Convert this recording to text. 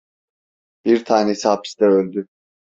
Bir tanesi hapiste öldü.